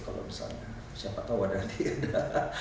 kalau misalnya siapa tahu ada nanti ada